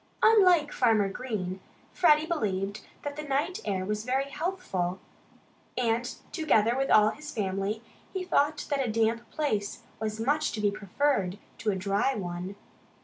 Unlike Farmer Green, Freddie believed that the night air was very healthful. And together with all his family, he thought that a damp place was much to be preferred to a dry one.